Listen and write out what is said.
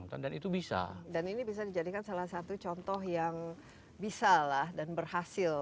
dan ini bisa dijadikan salah satu contoh yang bisa lah dan berhasil